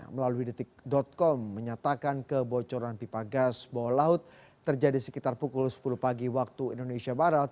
melalui detik com menyatakan kebocoran pipa gas bawah laut terjadi sekitar pukul sepuluh pagi waktu indonesia barat